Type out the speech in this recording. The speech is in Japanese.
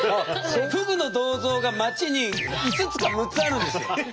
ふぐの銅像が街に５つか６つあるんですよ。